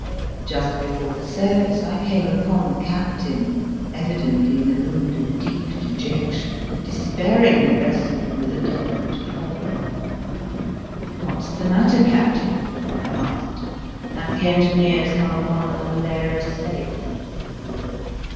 Just before the service I came upon the captain, evidently in a mood of deep dejection, despair ingly wrestling with a difficult problem. " What's the matter, captain ?" I asked. Have the engineers come upon another layer of slate